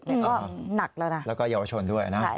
แต่ก็หนักแล้วนะแล้วก็เยาวชนด้วยนะ